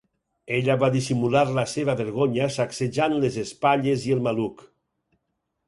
Ella va dissimular la seva vergonya sacsejant les espatlles i el maluc.